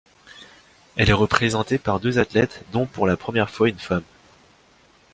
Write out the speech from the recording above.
Elle est représentée par deux athlètes, dont pour la première fois une femme.